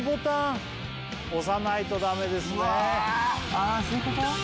あそういうこと？